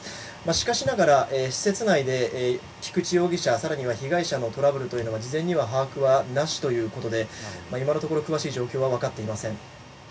しかしながら、施設内で被害者と菊池容疑者の間のトラブルは事前には把握はなしということで今のところ詳しい状況はわかっていません。